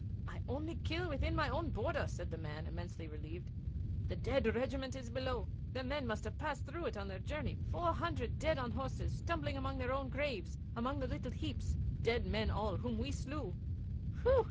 'I only kill within my own border,' said the man, immensely relieved. 'The Dead Regiment is below. The men must have passed through it on their journey four hundred dead on horses, stumbling among their own graves, among the little heaps dead men all, whom we slew.' 'Whew!'